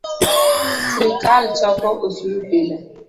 Sirikal choko osuru pile